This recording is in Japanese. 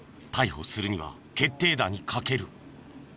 逮捕するには決定打に欠ける。